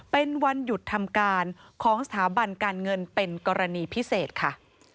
เป็นวันหยุดทำการของสถาบันการเงินเป็นกรณีพิเศษค่ะ